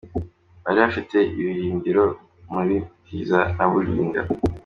Bari bafite ibirindiro muri Ndiza na Bulinga.